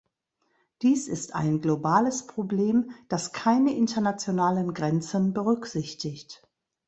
Dies ist ein globales Problem, das keine internationalen Grenzen berücksichtigt.